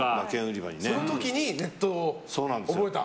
その時にネットを覚えた？